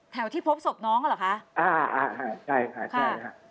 ที่พบศพน้องอ่ะเหรอคะอ่าอ่าใช่ค่ะใช่ค่ะ